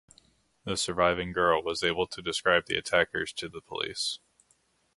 The surviving girl was able to describe the attackers to the police.